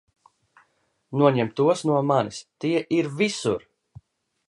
Noņem tos no manis, tie ir visur!